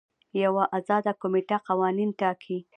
یوه ازاده کمیټه قوانین ټاکي.